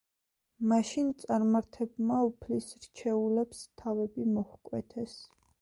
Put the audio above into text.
მაშინ წარმართებმა უფლის რჩეულებს თავები მოჰკვეთეს.